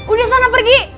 udah sana pergi